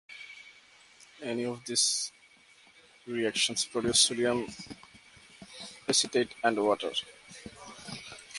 Any of these reactions produce sodium acetate and water.